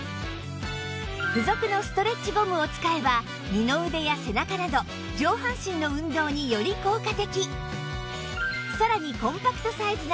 付属のストレッチゴムを使えば二の腕や背中など上半身の運動により効果的